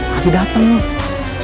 pasti dateng loh